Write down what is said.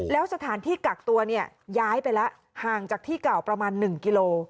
แล้วสถานที่กักตัวเนี่ยย้ายไปแล้วห่างจากที่เก่าประมาณ๑กิโล